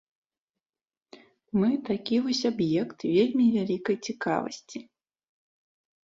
Мы такі вось аб'ект вельмі вялікай цікавасці.